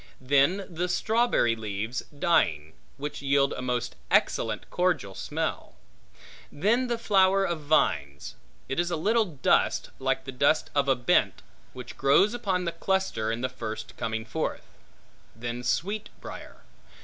Then the strawberry leaves dying, which yield a most excellent cordial smell. Then the flower of vines; it is a little dust, like the dust of a bent, which grows upon the cluster in the first coming forth. Then sweet briar.